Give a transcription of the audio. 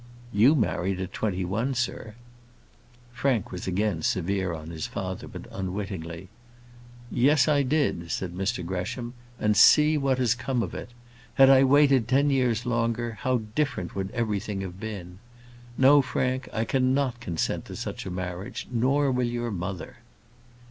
"You married at twenty one, sir." Frank was again severe on his father, but unwittingly. "Yes, I did," said Mr Gresham; "and see what has come of it! Had I waited ten years longer, how different would everything have been! No, Frank, I cannot consent to such a marriage; nor will your mother."